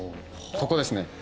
ここですね